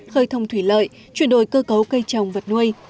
khơi thông thủy lợi chuyển đổi cơ cấu cây trồng vật nuôi